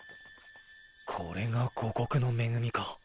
これが五穀の恵みか。